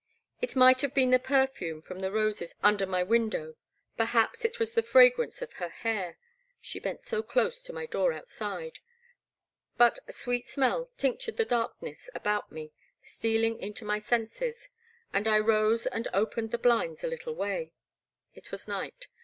It might have been the perfume from the roses under my window — ^perhaps it was the fragrance of her hair — she bent so dose to my door outside — ^but a sweet smell tinctured the darkness about me, stealing into my senses ; and I rose and opened my blinds a little way. It was night.